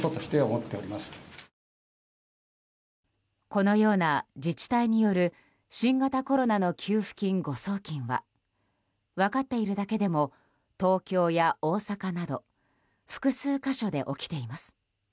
このような自治体による新型コロナの給付金誤送金は分かっているだけでも東京や大阪など複数箇所で起きています。